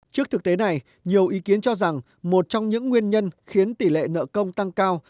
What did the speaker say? trước thực tế này nhiều ý kiến cho rằng một trong những nguyên nhân khiến tỷ lệ nợ công tăng cao